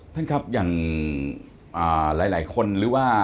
ท่านครับอย่างหลายคนหรือว่า